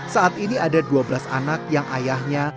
saat ini ada dua belas anak yang ayahnya